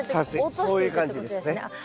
そういう感じですね。